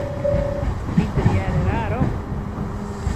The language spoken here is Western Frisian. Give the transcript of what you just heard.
Piter hearde raar op.